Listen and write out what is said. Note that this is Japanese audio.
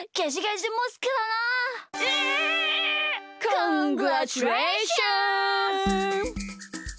・コングラッチュレーション！